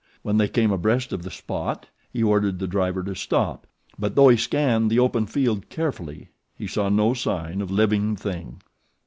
When they came abreast of the spot he ordered the driver to stop; but though he scanned the open field carefully he saw no sign of living thing.